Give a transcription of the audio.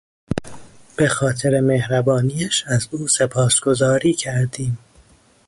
به خاطر مهربانیاش از او سپاسگزاری کردیم.